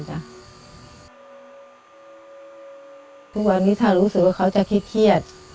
ทุกวันนี้ถ้ารู้สึกว่าเขาจะเครียด